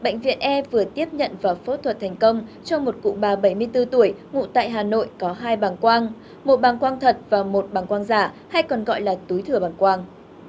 người bệnh vừa tiếp nhận vào phẫu thuật thành công trong một cụ bà bảy mươi bốn tuổi ngụ tại hà nội có hai bằng quang một bằng quang thật và một bằng quang giả hay còn gọi là túi thừa bằng quang